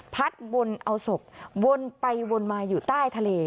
วนเอาศพวนไปวนมาอยู่ใต้ทะเล